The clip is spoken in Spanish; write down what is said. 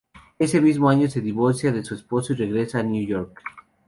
Ese mismo año se divorcia de su esposo y regresa a New York.